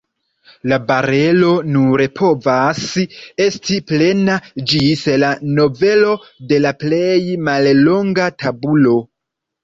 La barelo nur povas esti plena ĝis la novelo de la plej mallonga tabulo.